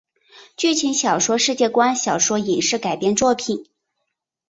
剧情小说世界观小说影视改编作品